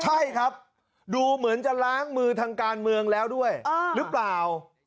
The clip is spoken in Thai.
ใช่ครับดูเหมือนจะล้างมือทางการเมืองแล้วด้วยหรือเปล่า